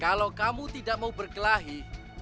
kalau kamu tidak mau berkelahi